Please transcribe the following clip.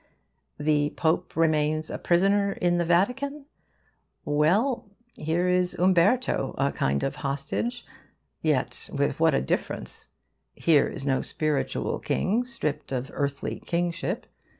The Pope remains a prisoner in the Vatican? Well, here is Umberto, a kind of hostage. Yet with what a difference! Here is no spiritual king stripped of earthly kingship.